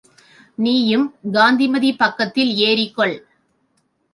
நீயும் காந்திமதி பக்கத்தில் ஏறிக்கொள்.